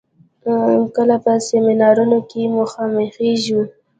کله په سيمينارونو کې مخامخېږو.